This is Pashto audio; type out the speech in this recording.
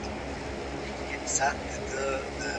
هغه په خپله پوهه او تدبیر هېواد اداره کاوه.